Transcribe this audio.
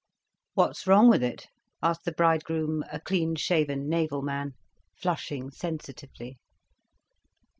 "What's wrong with it?" asked the bridegroom, a clean shaven naval man, flushing sensitively.